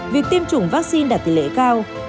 việc tiêm chủng vaccine đạt tỷ lệ cao